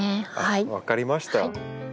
分かりました。